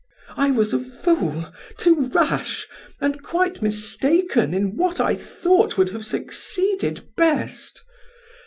Dal: I was a fool, too rash, and quite mistaken In what I thought would have succeeded best.